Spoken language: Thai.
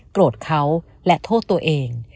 โกรธเขาและโทษตัวเอง